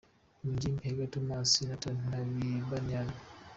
Mu ngimbi: Hager, Tomas, Natan na Biniam.